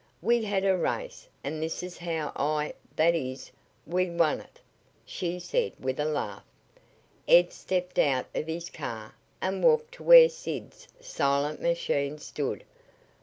"We had a race, and this is how I that is, we won it," she said with a laugh. Ed stepped out of his car and walked to where Sid's silent machine stood.